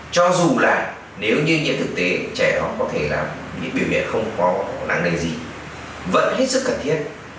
cho dù là nếu như nghĩa thực tế trẻ họ có thể là những biểu hiện không có năng linh gì vẫn hết sức cần thiết